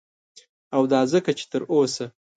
او دا ځکه چه تر اوسه